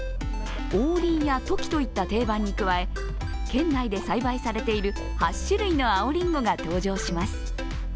王林やトキといった定番に加え県内で栽培されている８種類の青りんごが登場します。